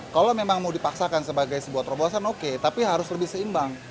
kalau memang mau dipaksakan sebagai sebuah terobosan oke tapi harus lebih seimbang